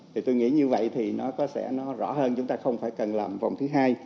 thì tôi nghĩ như vậy thì nó có sẽ nó rõ hơn chúng ta không phải cần làm vòng thứ hai